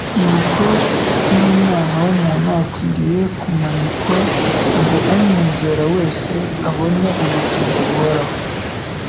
niko n'Umwana w'umuntu akwiriye kumanikwa ngo umwizera wese abone ubugingo buhoraho.